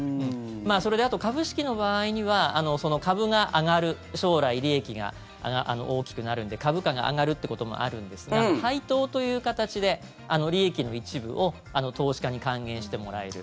それで、あと株式の場合には株が上がる将来、利益が大きくなるんで株価が上がるってこともあるんですが配当という形で利益の一部を投資家に還元してもらえる。